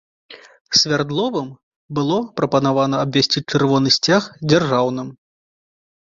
Свярдловым было прапанавана абвясціць чырвоны сцяг дзяржаўным.